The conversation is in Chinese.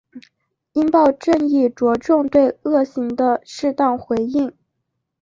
应报正义着重对恶行的适当回应。